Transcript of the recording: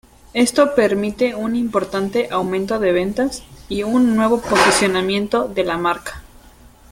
Esto permite un importante aumento de ventas y un nuevo posicionamiento de la marca.